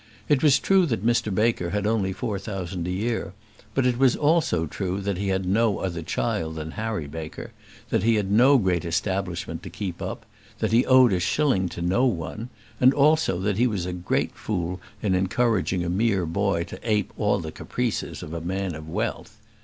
It was true that Mr Baker had only four thousand a year; but it was also true that he had no other child than Harry Baker; that he had no great establishment to keep up; that he owed a shilling to no one; and, also, that he was a great fool in encouraging a mere boy to ape all the caprices of a man of wealth.